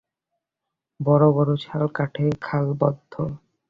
বড়ো বড়ো শাল কাঠে খাল বদ্ধ!